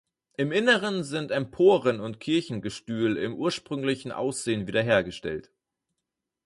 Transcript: Im Inneren sind Emporen und Kirchengestühl im ursprünglichen Aussehen wieder hergestellt.